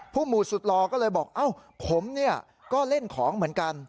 ผู้หมู่สุดลอก็เลยบอกผมนี่ก็เล่นของเหมือนกัน